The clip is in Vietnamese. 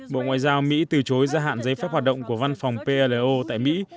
bộ ngoại giao mỹ từ chối gia hạn giấy phép hoạt động của văn phòng plo tại mỹ